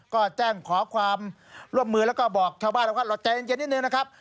ก็แจ้งขอความร่วมมือแล้วก็บอกชาวบ้านแล้วว่าเราใจเย็นนิดนึงนะครับ